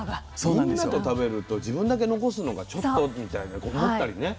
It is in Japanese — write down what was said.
みんなと食べると自分だけ残すのがちょっとみたいに思ったりね。